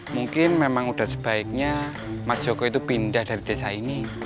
mungkin memang sudah sebaiknya mas joko itu pindah dari desa ini